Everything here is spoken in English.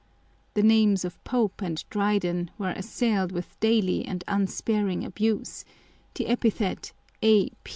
The names of Pope and Dryden were assailed with daily and unsparing abuse; the epithet A.